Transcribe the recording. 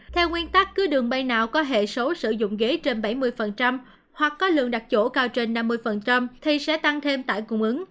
theo nguyên tắc cứ đường bay nào có hệ số sử dụng ghế trên bảy mươi hoặc có lượng đặt chỗ cao trên năm mươi thì sẽ tăng thêm tải cung ứng